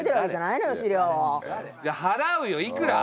いや払うよいくら？